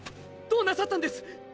どうなさったんです！？